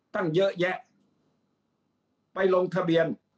ตั้งเยอะแยะไปลงทะเบียน